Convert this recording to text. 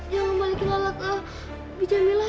jangan balik ke lala ke bu jamila ya